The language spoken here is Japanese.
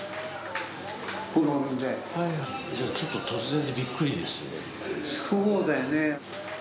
じゃあちょっと突然でびっくそうだよね。